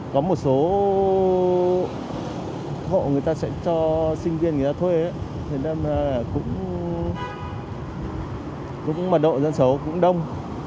có một số hộ người ta sẽ cho sinh viên người ta thuê cũng mật độ dân số cũng đông